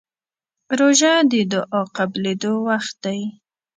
روژه د دعا قبولېدو وخت دی.